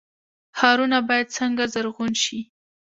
ښارونه باید څنګه زرغون شي؟